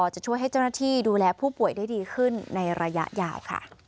จะช่วยให้เจ้าหน้าที่ดูแลผู้ป่วยได้ดีขึ้นในระยะยาวค่ะ